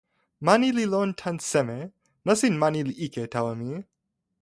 mani li lon tan seme? nasin mani li ike tawa mi.